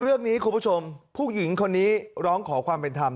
คุณผู้ชมผู้หญิงคนนี้ร้องขอความเป็นธรรม